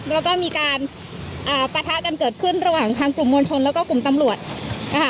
แล้วก็มีการอ่าปะทะกันเกิดขึ้นระหว่างทางกลุ่มมวลชนแล้วก็กลุ่มตำรวจนะคะ